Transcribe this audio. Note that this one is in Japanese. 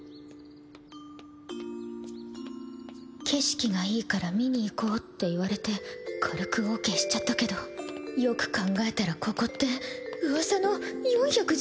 景色がいいから見に行こうって言われて軽くオーケーしちゃったけどよく考えたらここってななんだ？